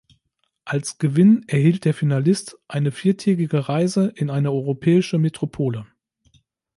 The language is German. Als Gewinn erhielt der Finalist eine viertägige Reise in eine europäische Metropole.